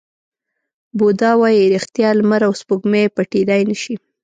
بودا وایي ریښتیا، لمر او سپوږمۍ پټېدای نه شي.